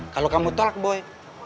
kalau kamu tolak boy